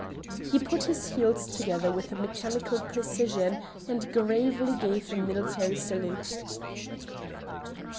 He put his heels together with a mechanical precision and gravely gave a military salute.